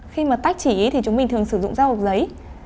khi mà tách chỉ thì chúng mình thường sử dụng dao hộp giấy